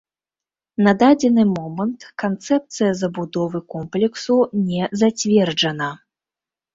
На дадзены момант канцэпцыя забудовы комплексу не зацверджана.